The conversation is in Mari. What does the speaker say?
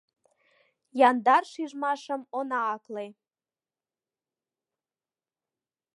Яндар шижмашым она акле.